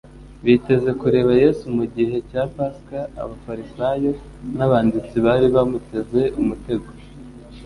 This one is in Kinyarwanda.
Biteze kureba Yesu mu gi'he cya Pasika, abafarisayo n'abanditsi bari bamuteze umutego'.